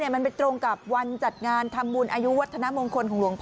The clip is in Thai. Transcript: มันไปตรงกับวันจัดงานทำบุญอายุวัฒนามงคลของหลวงพ่อ